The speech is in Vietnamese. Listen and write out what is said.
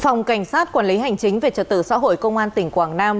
phòng cảnh sát quản lý hành chính về trật tự xã hội công an tỉnh quảng nam